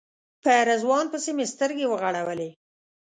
په رضوان پسې مې سترګې وغړولې.